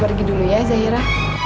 mama pergi dulu ya zahira